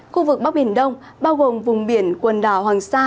khu vực bắc biển đông bao gồm vùng biển quần đảo hoàng sa